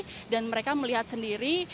jadi kita bisa melihat sendiri